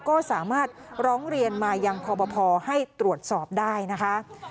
ก็สามารถร้องเรียนมายังคอปภให้ตรวจสอบได้นะคะ